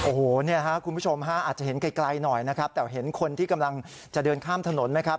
โอ้โหเนี่ยฮะคุณผู้ชมฮะอาจจะเห็นไกลหน่อยนะครับ